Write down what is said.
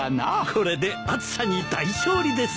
これで暑さに大勝利ですね。